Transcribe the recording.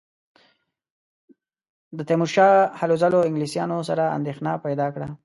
د تیمورشاه هلو ځلو انګلیسیانو سره اندېښنه پیدا کړه.